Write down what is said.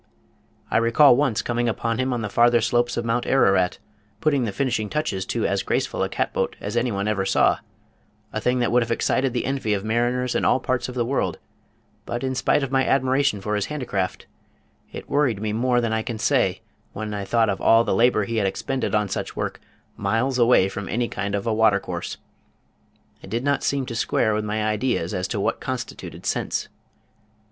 I recall once coming upon him on the farther slopes of Mount Ararat, putting the finishing touches to as graceful a cat boat as any one ever saw a thing that would have excited the envy of mariners in all parts of the world, but in spite of my admiration for his handicraft, it worried me more than I can say when I thought of all the labor he had expended on such a work miles away from any kind of a water course. It did not seem to square with my ideas as to what constituted sense.